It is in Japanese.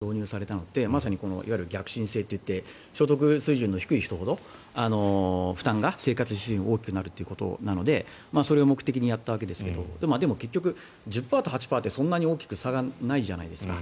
そもそも日本でも軽減税率が導入されたのっていわゆる逆進性といって所得水準の低い人ほど負担が大きくなるということなのでそれを目的にやったわけですがでも、結局１０％と８％ってそんなに大きく差がないじゃないですか。